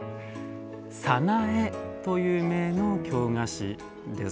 早苗という銘の京菓子です。